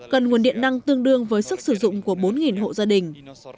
cần nguồn điện năng tương đương với sức sử dụng của bốn hộ gia đình